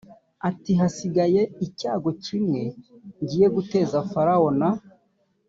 ati hasigaye icyago kimwe ngiye guteza farawo na